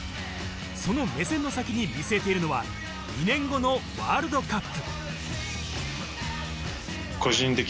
その目線の先に見据えているのは、２年後のワールドカップ。